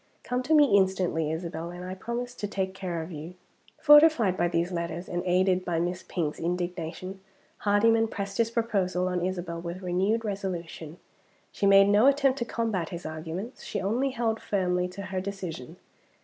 Come to me instantly, Isabel, and I promise to take care of you." Fortified by these letters, and aided by Miss Pink's indignation, Hardyman pressed his proposal on Isabel with renewed resolution. She made no attempt to combat his arguments she only held firmly to her decision.